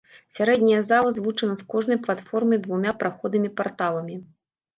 Сярэдняя зала злучана з кожнай платформай двума праходамі-парталамі.